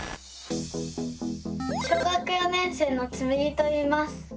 小学４年生のつむぎといいます。